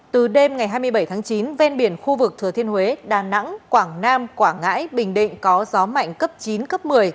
từ đêm ngày hai mươi bảy tháng chín ven biển khu vực thừa thiên huế đà nẵng quảng nam quảng ngãi bình định có gió mạnh cấp chín cấp một mươi